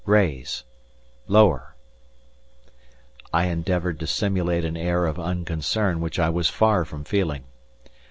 "Raise!" "Lower!" I endeavoured to simulate an air of unconcern which I was far from feeling.